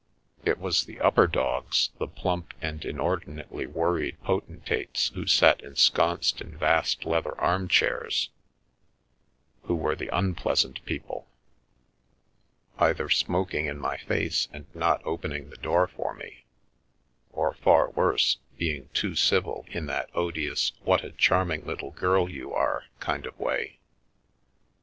It was the upper dogs, the plump and inordinately worried potentates who sat ensconced in vast leather armchairs, who were the unpleasant people, either smok ing in my face and not opening the door for me, or, far r» A Flutter in Fleet Street worse, being too civil in that odious " What a charming little girl you are " kind of way.